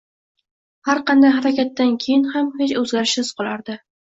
har qanday harakatdan keyin ham hech o‘zgarishsiz qolardi.